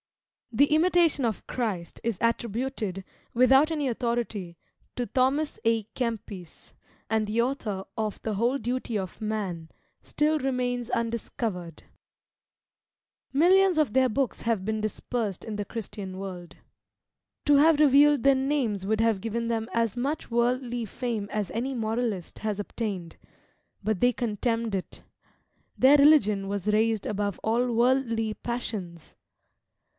The "Imitation of Christ" is attributed, without any authority, to Thomas A'Kempis; and the author of the "Whole Duty of Man" still remains undiscovered. Millions of their books have been dispersed in the Christian world. To have revealed their names would have given them as much worldly fame as any moralist has obtained but they contemned it! Their religion was raised above all worldly passions!